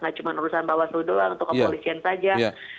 tidak cuma urusan bawah seluruh doang atau kepolisian saja